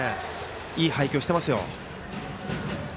いい配球をしていますよ。